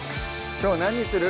きょう何にする？